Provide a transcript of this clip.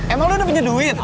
emang lu ini punya duit